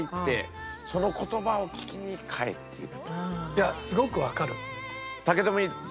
いやすごくわかる。